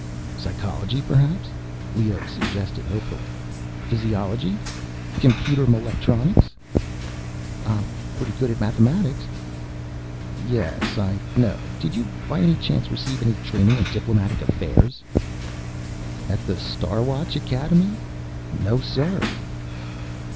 "Psychology, perhaps?" Leoh suggested, hopefully. "Physiology? Computer molectronics?" "I'm pretty good at mathematics!" "Yes, I know. Did you, by any chance, receive any training in diplomatic affairs?" "At the Star Watch Academy? No, sir."